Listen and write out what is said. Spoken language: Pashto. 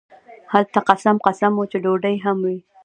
هلته قسم قسم وچې ډوډۍ هم وې.